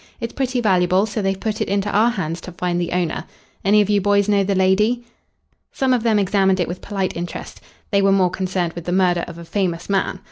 "It's pretty valuable, so they've put it into our hands to find the owner. Any of you boys know the lady?" Some of them examined it with polite interest. They were more concerned with the murder of a famous man.